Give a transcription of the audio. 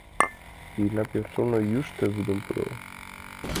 Ирина Петровна, йӱштӧ вӱдым подыл...